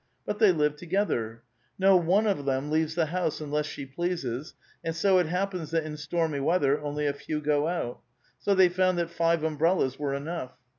But they live together ; no one of them leaves the house unless she ))leases, and so it happens that in stormy weather only a few go out. So they found that five umbrellas were enough.